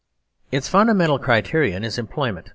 (a) Its fundamental criterion is employment.